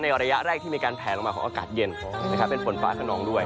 ระยะแรกที่มีการแผลลงมาของอากาศเย็นเป็นฝนฟ้าขนองด้วย